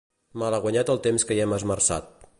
Malaguanyat el temps que hi hem esmerçat.